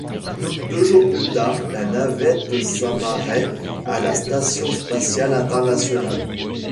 Deux jours plus tard la Navette s'amarrait à la station spatiale internationale.